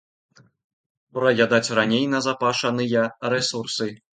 Праядаць раней назапашаныя рэсурсы.